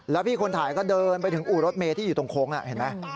แล้วพี่คนถ่ายก็เดินไปถึงอู่รถเมย์ที่อยู่ตรงโค้งเห็นไหม